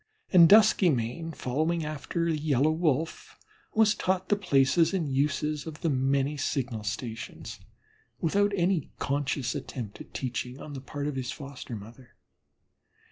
And Duskymane, following after the Yellow Wolf, was taught the places and uses of the many signal stations without any conscious attempt at teaching on the part of his foster mother.